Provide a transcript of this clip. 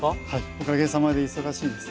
おかげさまで忙しいです。